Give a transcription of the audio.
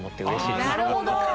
なるほど。